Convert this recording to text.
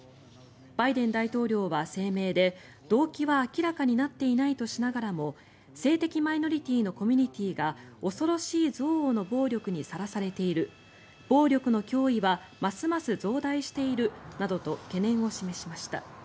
バイデン大統領は声明で動機は明らかになっていないとしながらも性的マイノリティーのコミュニティーが恐ろしい憎悪の暴力にさらされている暴力の脅威はますます増大しているなどと懸念を示しました。